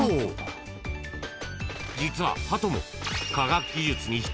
［実はハトも］